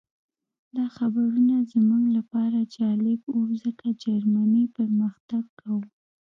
دا خبرونه زموږ لپاره جالب وو ځکه جرمني پرمختګ کاوه